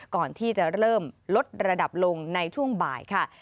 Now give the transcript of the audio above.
ก่อนที่จะเริ่มลดระดับลงในช่วงบ่ายค่ะ